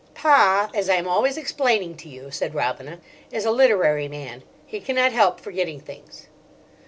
"Pa, as I am always explaining to you," said Robina, "is a literary man. He cannot help forgetting things."